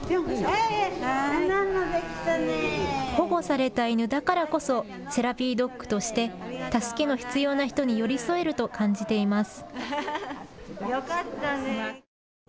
保護された犬だからこそセラピードッグとして助けの必要な人に寄り添えると感じています。